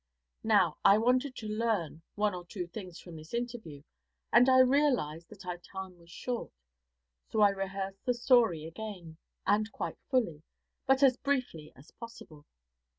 Now, I wanted to learn one or two things from this interview, and I realized that our time was short, so I rehearsed the story again, and quite fully, but as briefly as possible.